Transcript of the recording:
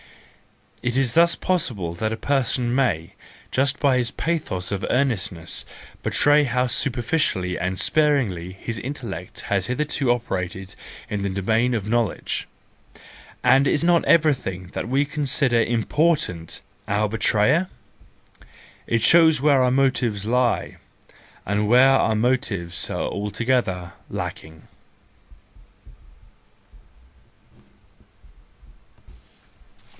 It is thus possible that a person may, just by his pathos of earnestness, betray how superficially and sparingly his intellect has hitherto operated in the domain of knowledge.—And is not everything that we con¬ sider important our betrayer? It shows where our motives lie, and where our motives are altogether lacking.